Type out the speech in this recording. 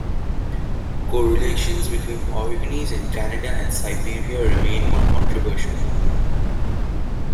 Correlations between orogenies in Canada and Siberia remain more controversial.